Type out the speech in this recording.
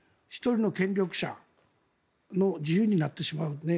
１人の権力者の自由になってしまう